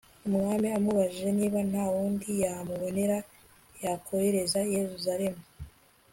umwami amubajije niba nta wundi yamubonera yakohereza i yeruzalemu